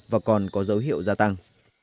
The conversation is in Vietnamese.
và còn có dấu hiệu gia tăng